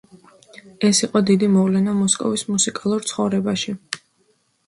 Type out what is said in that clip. ეს იყო დიდი მოვლენა მოსკოვის მუსიკალურ ცხოვრებაში.